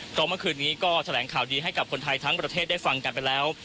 เพราะเมื่อคืนนี้ก็แถลงข่าวดีให้กับคนไทยทั้งประเทศได้ฟังกันไปแล้ว